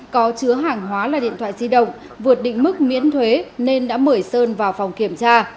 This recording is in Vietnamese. có chứa hàng hóa là điện thoại di động vượt định mức miễn thuế nên đã mở sơn vào phòng kiểm tra